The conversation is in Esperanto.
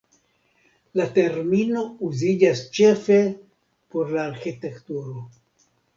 La termino uziĝas ĉefe por la arĥitekturo.